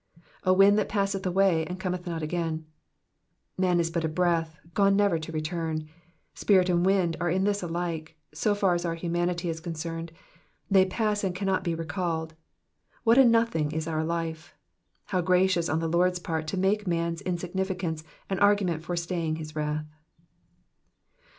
4 uind that passeth away^ and cometh not again,^^ Man is but a breath, gone never to return. Spirit and wind are in this alike, so far as our humanity is concerned ; they pass and cannot be recalled. What a nothing is our life. How gracious on the Lord^s part to make man's insignificance an argument for staying his wrath.